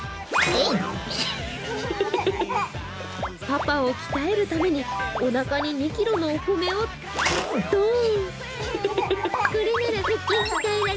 パパを鍛えるために、おなかに２ｋｇのお米をドン！